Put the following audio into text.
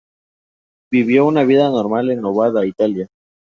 Vivió una vida normal en Ovada, Italia.